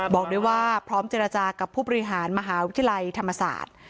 บอกด้วยว่าพร้อมเจรจากับผู้บริหารมหาวิทยาลัยธรรมศาสตร์